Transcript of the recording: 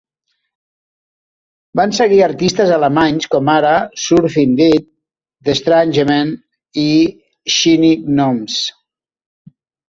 Van seguir artistes alemanys com ara Surfin' Dead, The Strangemen i Shiny Gnomes.